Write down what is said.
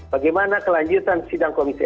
bagaimana kelanjutan sidang komisi